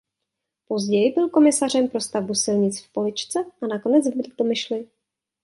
Později byl komisařem pro stavbu silnic v Poličce a nakonec v Litomyšli.